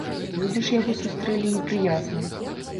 Людзі ж яго сустрэлі непрыязна.